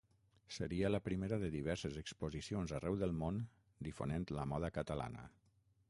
Seria la primera de diverses exposicions arreu del món difonent la moda catalana.